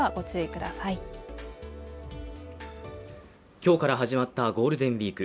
今日から始まったゴールデンウィーク。